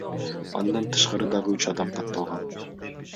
Андан тышкары дагы үч адам катталган.